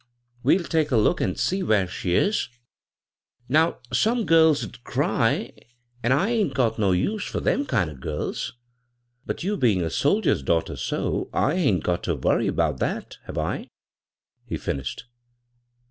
"We'U take a look an' see whar she is. Now some giris 'd ay, an' I hun't no use fur them kind of gills ; but you bein' a soldier's daughter so, I hain't got ter worry 'bout that ; have I ?"' he finished.